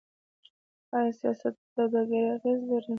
آیا سیاست په سوداګرۍ اغیز لري؟